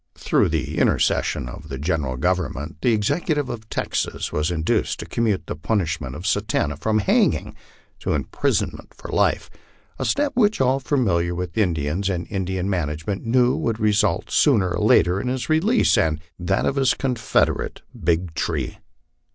Through the intercession of the General Government, the Executive of Texas was induced to commute the punishment of Satan ta from hanging to imprisonment for life, a step which all familiar with Indians and Indian management knew would result sooner or later in his release, and that of his confederate, Big Tree.